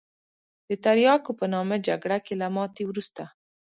د تریاکو په نامه جګړه کې له ماتې وروسته.